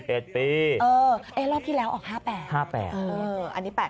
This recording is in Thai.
เอ๊ะรอบที่แล้วออก๕แปดอันนี้๘แปด